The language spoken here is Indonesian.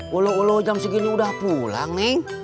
walu walu jam segini udah pulang neng